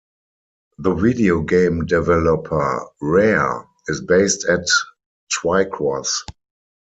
The video game developer Rare is based at Twycross.